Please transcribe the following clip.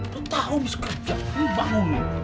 lu tau bisa kerja lu bangun